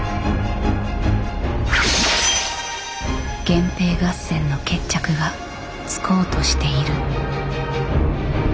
源平合戦の決着がつこうとしている。